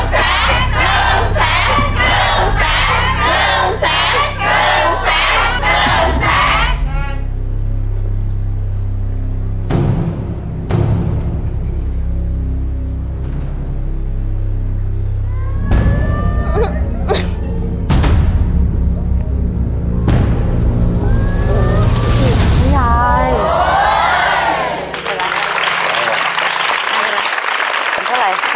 ถูก